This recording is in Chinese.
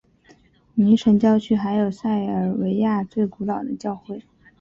尼什郊区还有塞尔维亚最古老的教会。